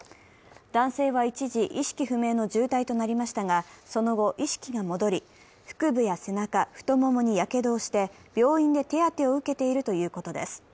男性は一時、意識不明の重体となりましたが、その後、意識が戻り、腹部や背中、太ももにやけどをして病院で手当てを受けているということです。